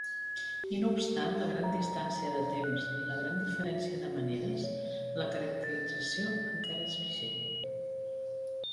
I no obstant la gran distància de temps i la gran diferència de maneres, la caracterització encara és vigent.